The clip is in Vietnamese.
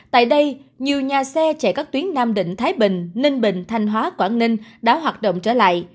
tại đây nhiều nhà xe chạy các tuyến nam định thái bình ninh bình thanh hóa quảng ninh đã hoạt động trở lại